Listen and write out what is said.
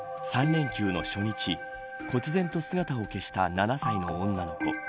３連休の初日こつ然と姿を消した７歳の女の子。